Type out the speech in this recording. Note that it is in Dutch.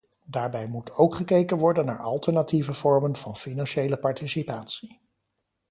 Daarbij moet ook gekeken worden naar alternatieve vormen van financiële participatie.